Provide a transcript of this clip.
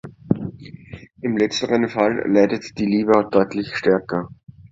Im letzteren Fall leidet die Leber deutlich stärker.